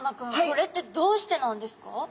これってどうしてなんですか？